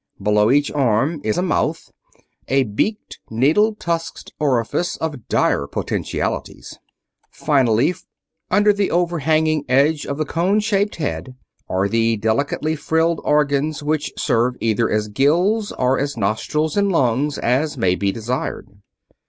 Below each arm is a mouth: a beaked, needle tusked orifice of dire potentialities. Finally, under the overhanging edge of the cone shaped head are the delicately frilled organs which serve either as gills or as nostrils and lungs, as may be desired.